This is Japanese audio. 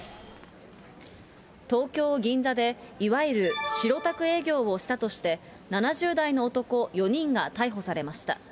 東京・銀座でいわゆる白タク営業をしたとして、７０代の男４人が逮捕されました。